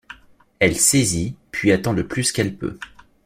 Elle saisit, puis attend le plus qu’elle peut.